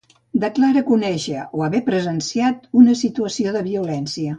Declaren conèixer o haver presenciat una situació de violència